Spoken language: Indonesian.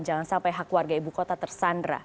jangan sampai hak warga ibu kota tersandra